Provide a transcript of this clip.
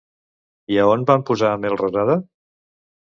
I a on van posar Melrosada?